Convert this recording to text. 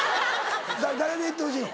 誰で行ってほしいの？